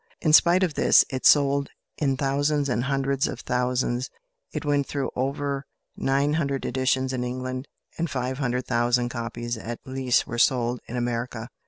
In spite of this, it sold in thousands and hundreds of thousands; it went through over nine hundred editions in England, and five hundred thousand copies at least were sold in America.